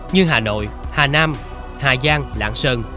như hà nội hà nam hà giang lãng sơn